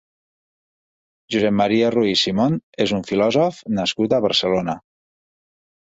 Josep Maria Ruiz Simón és un filòsof nascut a Barcelona.